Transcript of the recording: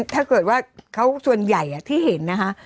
ถ้าเกิดว่าเขาส่วนใหญ่ที่เห็นนะคะ